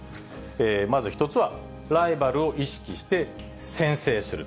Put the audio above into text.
まず一つは、ライバルを意識して、先制する。